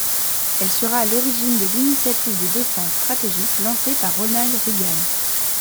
Elle sera à l'origine de l'initiative de défense stratégique lancée par Ronald Reagan.